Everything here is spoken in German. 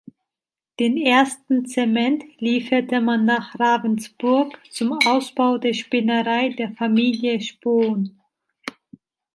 Den ersten Zement lieferte man nach Ravensburg zum Ausbau der Spinnerei der Familie Spohn.